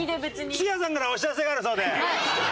杉谷さんからお知らせがあるそうで。